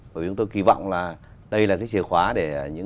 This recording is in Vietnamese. bởi vì chúng tôi kỳ vọng là đây là cái chìa khóa để những